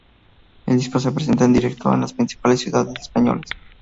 El disco se presenta en directo en las principales ciudades españolas.